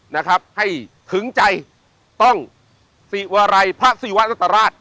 นะครับให้ถึงใจต้องศรีวรัยพระศรีวรรษฎราช